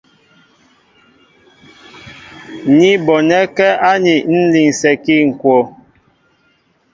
Ní bonɛ́kɛ́ aní ń linsɛkí ŋ̀kokwo.